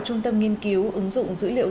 trung tâm nghiên cứu ứng dụng dữ liệu